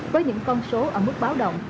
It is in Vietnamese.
với những con số ở mức báo động